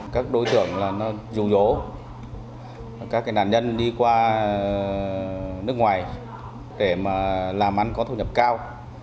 các đối tượng là nó dù dỗ các nạn nhân đi qua nước ngoài để làm ăn có thu nhập cao